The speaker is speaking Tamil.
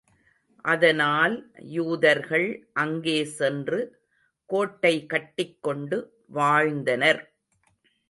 அதனால் யூதர்கள் அங்கே சென்று கோட்டை கட்டிக் கொண்டு வாழ்ந்தனர்.